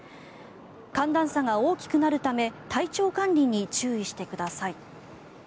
寒暖差が大きくなるため体調管理に注意してください。